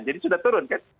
jadi sudah turun kan